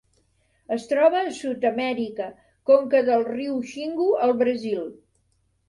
Es troba a Sud-amèrica: conca del riu Xingu al Brasil.